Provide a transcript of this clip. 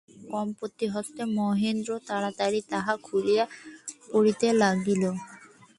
কম্পিতহস্তে মহেন্দ্র তাড়াতাড়ি তাহা খুলিয়া পড়িতে লাগিল।